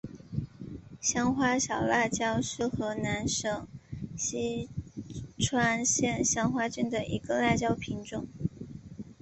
香花小辣椒是河南省淅川县香花镇的一个辣椒品种。